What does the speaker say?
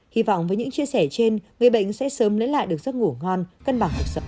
hy vọng với những chia sẻ trên người bệnh sẽ sớm lấy lại được giấc ngủ ngon cân bằng